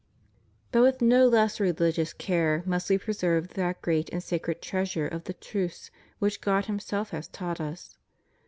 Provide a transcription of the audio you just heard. But with no less religious care must we preserve that great and sacred treasure of the truths which God Himself has taught us.